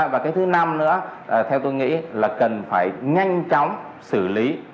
và cái thứ năm nữa theo tôi nghĩ là cần phải nhanh chóng xử lý